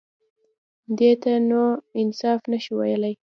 _دې ته نو انصاف نه شو ويلای.